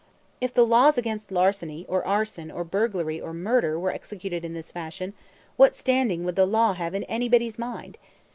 If the laws against larceny, or arson, or burglary, or murder, were executed in this fashion, what standing would the law have in anybody's mind?